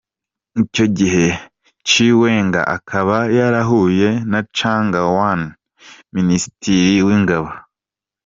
Icyo gihe Chiwenga akaba yarahuye na Chang Wanquan, Minisitiri w’ingabo.